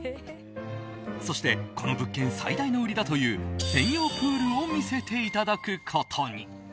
そして、この物件最大の売りだという専用プールを見せていただくことに。